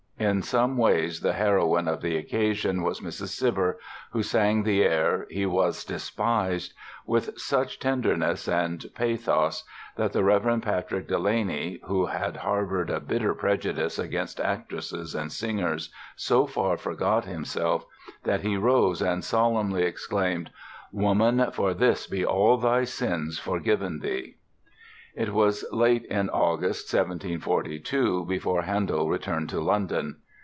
In some ways the heroine of the occasion was Mrs. Cibber, who sang the air "He was despised" with such tenderness and pathos that the Reverend Patrick Delany, who had harbored a bitter prejudice against actresses and singers so far forgot himself that he rose and solemnly exclaimed: "Woman, for this be all thy sins forgiven thee!" It was late in August, 1742, before Handel returned to London.